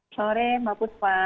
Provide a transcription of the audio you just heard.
sore mbak putra